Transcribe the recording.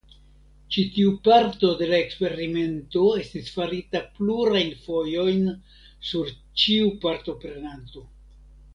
Ĉi tiu parto de la eksperimento estis farita plurajn fojojn sur ĉiu partoprenanto.